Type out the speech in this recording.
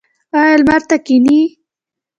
ایا لمر ته کینئ؟